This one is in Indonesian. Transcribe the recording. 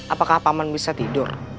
apakah paman bisa tidur